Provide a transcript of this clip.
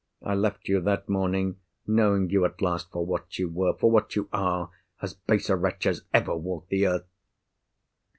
I left you, that morning, knowing you at last for what you were—for what you are—as base a wretch as ever walked the earth!"